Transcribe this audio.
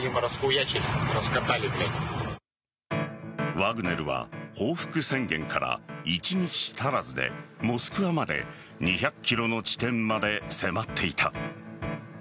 ワグネルは報復宣言から一日足らずでモスクワまで２００ｋｍの地点まで迫っていた。